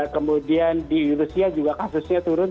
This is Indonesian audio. kemudian di rusia juga kasusnya turun